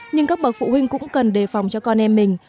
nhưng các bậc phụ huynh cũng cần đề phòng cho con em mình